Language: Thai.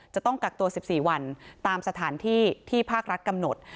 จะต้องกักตัว๑๔วันตามสถานที่ที่ภาครัฐกำหนด